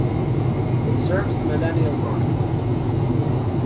It serves the millennial market.